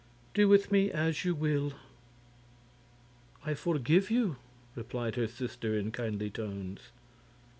Do with me as you will." "I forgive you," replied her sister, in kindly tones.